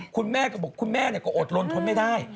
คุณแม่ก็บอกคุณแม่ก็อดลนทนไม่ได้